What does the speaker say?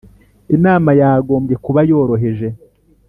Inama yagombye kuba yoroheje.